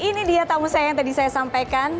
ini dia tamu saya yang tadi saya sampaikan